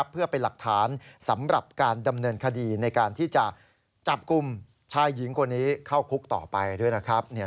เพื่อเป็นหลักฐานสำหรับการดำเนินคดีในการที่จะจับกลุ่มชายหญิงคนนี้เข้าคุกต่อไปด้วยนะครับ